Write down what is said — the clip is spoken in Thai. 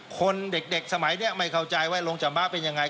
คนเด็กสมัยนี้ไม่เข้าใจว่าโรงจำมะเป็นยังไง